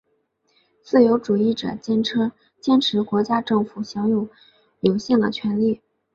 自由主义者坚持国家政府享有有限的权力。